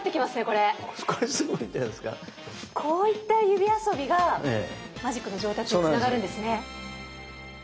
こういった指遊びがマジックの上達につながるんですね。